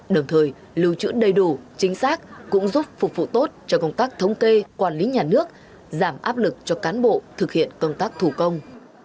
đồng thời lưu trữ đầy đủ chính xác cũng giúp phục vụ tốt cho công tác thống kê quản lý nhà nước giảm áp lực cho cán bộ thực hiện công tác thủ công